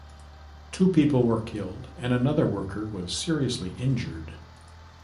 Two people were killed and another worker was seriously injured.